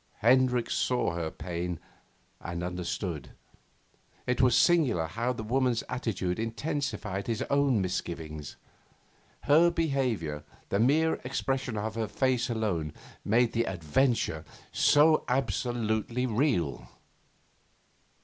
Hendricks saw her pain and understood. It was singular how the woman's attitude intensified his own misgivings; her behaviour, the mere expression of her face alone, made the adventure so absolutely real.